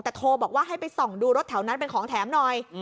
แต่โทรบอกว่าให้ไปส่องดูรถแถวนั้นเป็นของแถมหน่อย